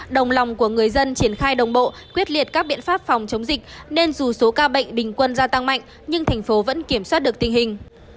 đồng lòng của người dân triển khai đồng bộ quyết liệt các biện pháp phòng chống dịch nên dù số ca bệnh bình quân gia tăng mạnh nhưng thành phố vẫn kiểm soát được tình hình